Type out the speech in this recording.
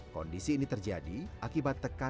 kondisi ini terjadi akibat tekanan